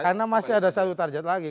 karena masih ada satu target lagi